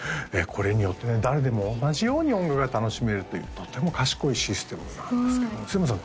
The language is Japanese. これによってね誰でも同じように音楽が楽しめるというとても賢いシステムなんですけど須山さん